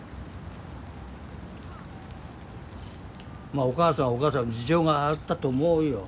まあお母さんはお母さんの事情があったと思うよ。